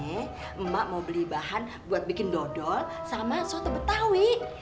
emak mau beli bahan buat bikin dodol sama soto betawi